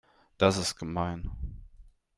Das ist gemein.